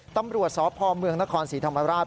ตำรวจสพเมืองนครศรีธรรมราช